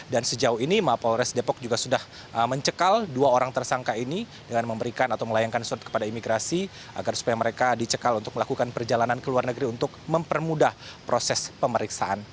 dan sejauh ini mapolores depok juga sudah mencekal dua orang tersangka ini dengan memberikan atau melayangkan surat kepada imigrasi agar supaya mereka dicekal untuk melakukan perjalanan ke luar negeri untuk mempermudah proses pemeriksaan